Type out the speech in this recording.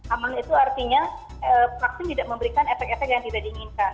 aman itu artinya vaksin tidak memberikan efek efek yang tidak diinginkan